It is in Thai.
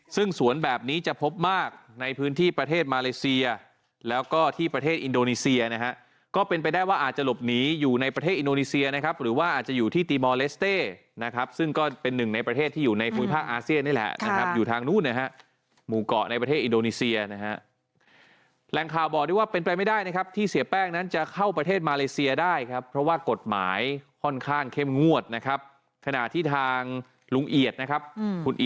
ซึ่งสวนแบบนี้จะพบมากในพื้นที่ประเทศมาเลเซียแล้วก็ที่ประเทศอินโดนีเซียนะฮะก็เป็นไปได้ว่าอาจจะหลบหนีอยู่ในประเทศอินโดนีเซียนะครับหรือว่าอาจจะอยู่ที่ติมอเลสเต้นะครับซึ่งก็เป็นหนึ่งในประเทศที่อยู่ในภูมิภาคอาเซียนนี่แหละนะครับอยู่ทางนู้นนะฮะหมู่เกาะในประเทศอินโดนีเ